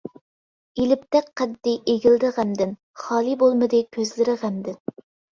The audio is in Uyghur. ئېلىپتەك قەددى ئېگىلدى غەمدىن، خالى بولمىدى كۆزلىرى غەمدىن.